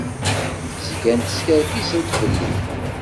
Zgant skerkisent fell-i.